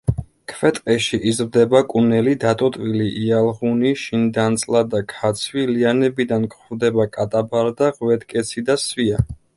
ქვეტყეში იზრდება კუნელი, დატოტვილი იალღუნი, შინდანწლა და ქაცვი, ლიანებიდან გვხვდება: კატაბარდა, ღვედკეცი და სვია.